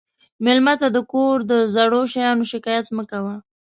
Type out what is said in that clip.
مېلمه ته د کور د زړو شیانو شکایت مه کوه.